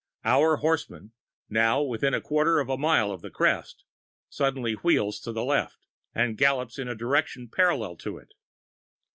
Our horseman, now within a quarter of a mile of the crest, suddenly wheels to the left and gallops in a direction parallel to it.